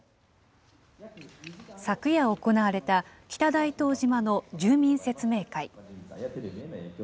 昨夜行われた、北大東島の住民説明会。